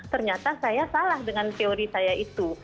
ternyata saya salah dengan teori saya itu